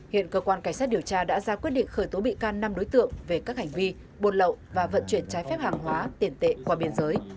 hiện cơ quan cảnh sát điều tra đã ra quyết định khởi tố bị can năm đối tượng về các hành vi buôn lậu và vận chuyển trái phép hàng hóa tiền tệ qua biên giới